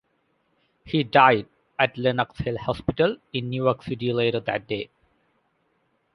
He died at Lenox Hill Hospital in New York City later that day.